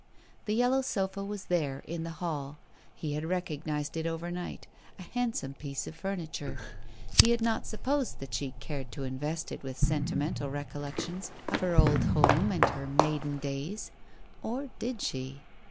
The yellow sofa was there, in the hall, he had recognized it overnight, a handsome piece of furniture. He had not supposed that she cared to invest it with sentimental recollections of her old home and her maiden days. Or did she